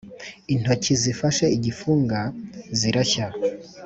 intoki zifashe igifunga zirashya